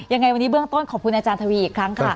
ยังไงวันนี้เบื้องต้นขอบคุณอาจารย์ทวีอีกครั้งค่ะ